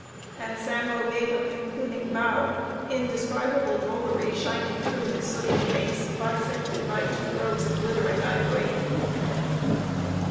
And Sambo gave a concluding bow, indescribable drollery shining through his sooty face, bisected by two rows of glittering ivory.